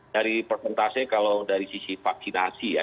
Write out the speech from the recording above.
dari persentase kalau dari sisi vaksinasi ya